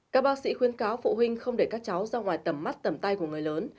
các bác sĩ khuyên cáo phụ huynh không để các cháu ra ngoài tầm mắt tầm tay của người lớn